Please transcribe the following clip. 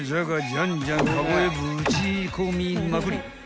じゃんじゃんカゴへぶち込みまくり］